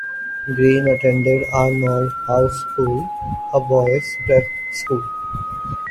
Green attended Arnold House School, a boys' prep school.